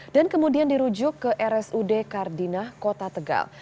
dan kemudian dirujuk ke rsude kardina kota tegal